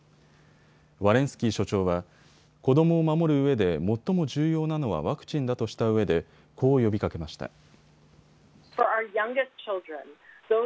ワレンスキー所長は子どもを守るうえで最も重要なのはワクチンだとしたうえでこう呼びかけました。